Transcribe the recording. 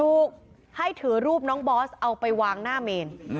ถูกให้ถือรูปน้องบอสเอาไปวางหน้าเมน